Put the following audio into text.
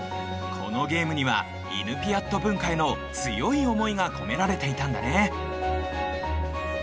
このゲームにはイヌピアット文化への強い思いが込められていたんだね